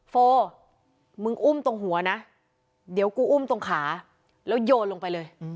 โฟมึงอุ้มตรงหัวนะเดี๋ยวกูอุ้มตรงขาแล้วโยนลงไปเลย